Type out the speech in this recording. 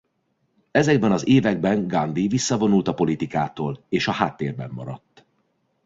Ezekben az években Gandhi visszavonult a politikától és a háttérben maradt.